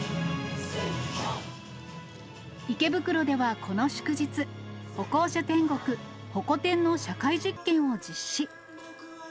池袋ではこの祝日、歩行者天国・ホコ天の社会実験を実施。